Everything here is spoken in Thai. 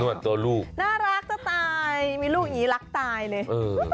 นวดตัวลูกน่ารักเจ้าตายมีลูกอี๋รักตายเลย